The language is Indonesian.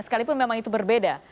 sekalipun memang itu berbeda